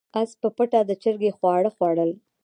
اس په پټه د چرګې خواړه خوړل.